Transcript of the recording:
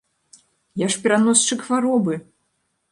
Я ж пераносчык хваробы!